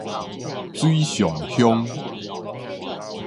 水上鄉